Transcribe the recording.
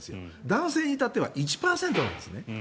男性にいたっては１％なんですね。